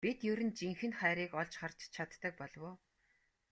Бид ер нь жинхэнэ хайрыг олж харж чаддаг болов уу?